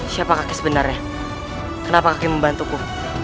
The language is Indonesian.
siapa kakek sebenarnya kenapa kakek membantuku